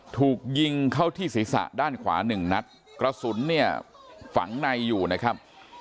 ถูกยิงเข้าที่ศีรษะด้านขวาหนึ่งนัดกระสุนเนี่ยฝังในอยู่นะครับ